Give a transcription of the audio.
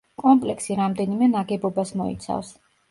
კომპლექსი რამდენიმე ნაგებობას მოიცავს.